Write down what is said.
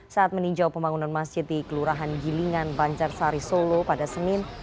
saat meninjau pembangunan masjid di kelurahan gilingan banjarsari solo pada senin